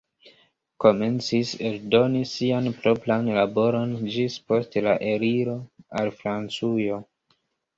Komencis eldoni sian propran laboron ĝis post la eliro al Francujo.